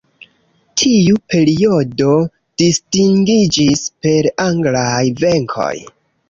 Tiu periodo distingiĝis per anglaj venkoj.